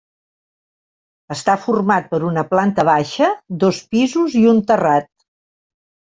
Està format per una planta baixa, dos pisos i un terrat.